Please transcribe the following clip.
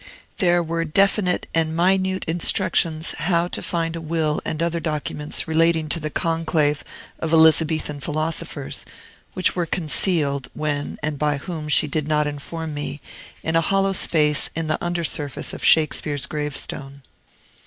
There were definite and minute instructions how to find a will and other documents relating to the conclave of Elizabethan philosophers, which were concealed (when and by whom she did not inform me) in a hollow space in the under surface of Shakespeare's gravestone.